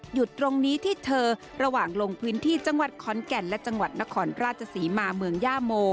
จุดตรงนี้ที่เธอระหว่างลงพื้นที่จังหวัดขอนแก่นและจังหวัดนครราชศรีมาเมืองย่าโม